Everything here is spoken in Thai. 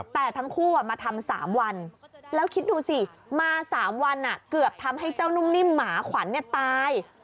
แต่ทั้งคู่มาทำ๓วันแล้วคิดดูสิมา๓วันเกือบทำให้เจ้านุ่มนิ่มหมาขวัญตาย